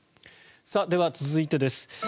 では、続いてです。